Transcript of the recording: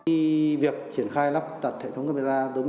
vì việc triển khai lắp đặt hệ thống camera giám sát giao thông